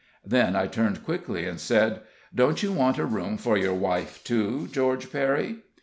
Then I turned quickly, and said: "Don't you want a room for your wife, too, George Perry?"